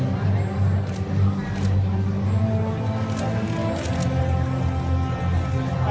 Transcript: สโลแมคริปราบาล